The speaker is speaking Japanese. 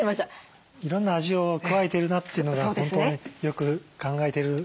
いろんな味を加えてるなというのが本当によく考えてる。